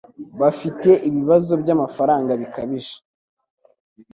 Bafite ibibazo byamafaranga bikabije.